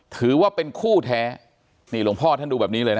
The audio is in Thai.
ถือว่าเป็นคู่แท้นี่หลวงพ่อท่านดูแบบนี้เลยนะ